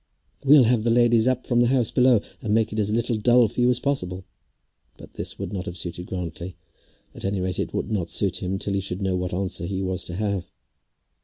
"We'll have the ladies up from the house below, and make it as little dull for you as possible." But this would not have suited Grantly, at any rate would not suit him till he should know what answer he was to have.